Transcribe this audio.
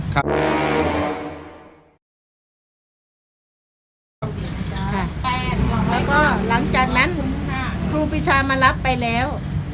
แล้วก็หลังจากนั้นครูปีชามารับไปแล้ว